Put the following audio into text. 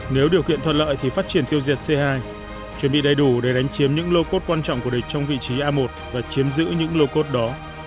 nếu điều kiện thuận lợi thì phát triển tiêu diệt c hai chuẩn bị đầy đủ để đánh chiếm những lô cốt quan trọng của địch trong vị trí a một và chiếm giữ những lô cốt đó